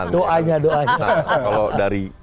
doanya nah kalau dari